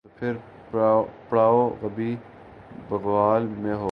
تو پھر پڑاؤ کبھی بھگوال میں ہو گا۔